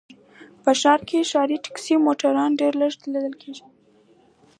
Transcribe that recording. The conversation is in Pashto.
په ښار کې ښاري ټکسي موټر ډېر لږ ليدل کېږي